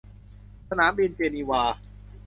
สนามบินเจนีวา